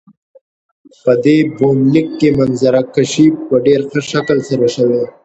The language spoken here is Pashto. په دې يونليک کې منظره کشي په ډېر ښه شکل سره شوي.